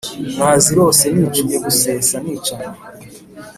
Nazirose nicuye gusesa nicana